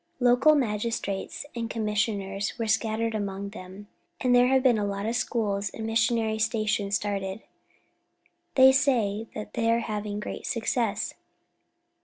Local magistrates and commissioners are scattered about among them, and there have been a lot of schools and missionary stations started. They say that they are having great success.